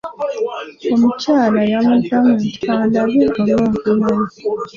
Omukyala yamuddamu nti:"kandabe oba nfunayo".